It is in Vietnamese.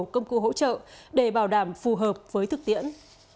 công cụ hỗ trợ để bảo đảm phù hợp với thực tiễn